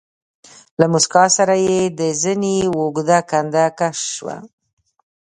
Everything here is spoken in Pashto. له موسکا سره يې د زنې اوږده کنده کش شوه.